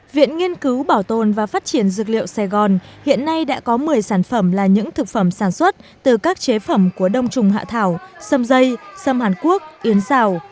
viện nghiên cứu bảo tồn và phát triển dược liệu sài gòn hiện nay đã có một mươi sản phẩm là những thực phẩm sản xuất từ các chế phẩm của đông trùng hạ thảo xâm dây sâm hàn quốc yến xào